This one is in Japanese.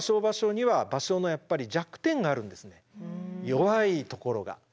弱いところが。